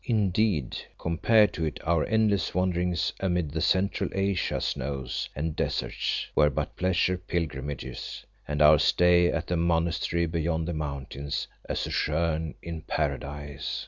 Indeed, compared to it our endless wanderings amid the Central Asia snows and deserts were but pleasure pilgrimages, and our stay at the monastery beyond the mountains a sojourn in Paradise.